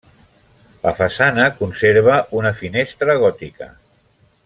La façana conserva una finestra gòtica.